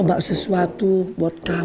pelan pelan saya sama sama dengan aku